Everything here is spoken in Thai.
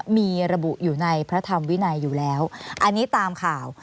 มีระบุอยู่ในพระธรรมวินัยอยู่แล้วอันนี้ตามข่าว